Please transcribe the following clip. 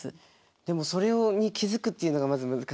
でもそれを気づくっていうのがまず難しいんだろうな。